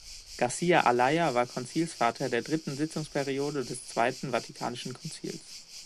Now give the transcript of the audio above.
Garcia Ayala war Konzilsvater der dritten Sitzungsperiode des Zweiten Vatikanischen Konzils.